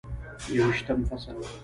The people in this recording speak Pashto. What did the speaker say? یوویشتم فصل: